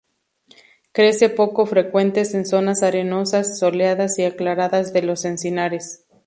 Crece poco frecuentes en zonas arenosas, soleadas y aclaradas de los encinares.